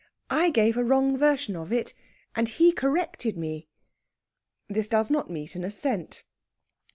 I gave a wrong version of it, and he corrected me." This does not meet an assent.